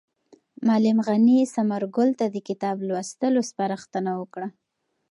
معلم غني ثمر ګل ته د کتاب لوستلو سپارښتنه وکړه.